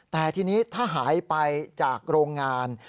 แต่ทีนี้ถ้าหายไปจากโรงงาน